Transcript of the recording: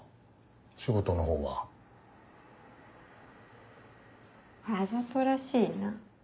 仕事のほうは。わざとらしいな。